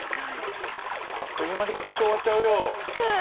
あっという間にことしが終わっちゃうよ。